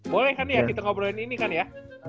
boleh kan ya kita ngobrolin ini kan ya